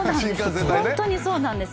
ホントにそうなんです。